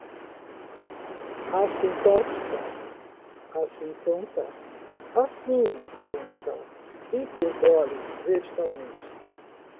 assintótica, assintota, assíntota, hipérbole, verticalmente